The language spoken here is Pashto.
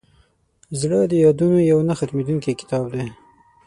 زړه د یادونو یو نه ختمېدونکی کتاب دی.